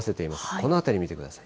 この辺り見てください。